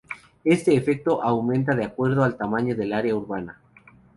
Este efecto aumenta de acuerdo al tamaño del área urbana.